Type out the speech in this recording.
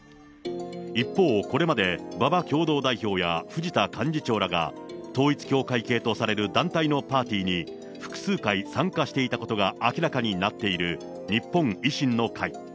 一方、これまで馬場共同代表や藤田幹事長らが、統一教会系とされる団体のパーティーに複数回参加していたことが明らかになっている、日本維新の会。